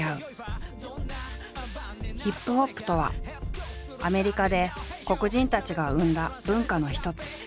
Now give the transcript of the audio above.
ＨＩＰＨＯＰとはアメリカで黒人たちが生んだ文化の一つ。